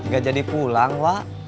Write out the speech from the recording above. gak jadi pulang wak